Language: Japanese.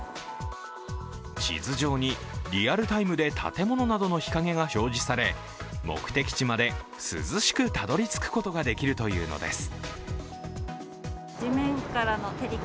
地図上にリアルタイムで建物などの日陰が表示され、目的地まで涼しくたどり着くことができるというのです。